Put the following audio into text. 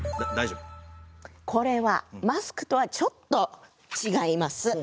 これはマスクとはちょっと違います。